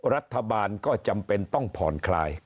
รัฐบาลก็จำเป็นต้องผ่อนคลาย